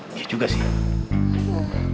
iya juga sih